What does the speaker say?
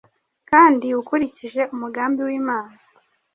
kandi ukurikije umugambi w’Imana,